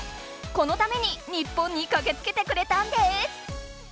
このために日本にかけつけてくれたんです！